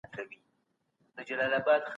دوه خورجینه